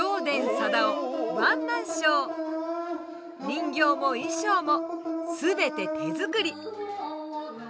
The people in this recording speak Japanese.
人形も衣装もすべて手作り。